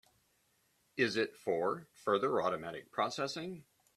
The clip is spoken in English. Is it for further automatic processing?